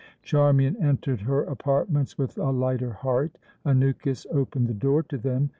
Charmian entered her apartments with a lighter heart. Anukis opened the door to them.